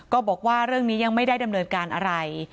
ก็บอกว่าเรื่องนี้ยังไม่ได้ดำเนินการอะไร